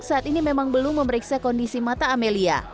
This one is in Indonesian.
saat ini memang belum memeriksa kondisi mata amelia